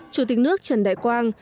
chủ tịch nước trần đại quang